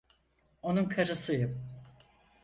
Onun karısıyım.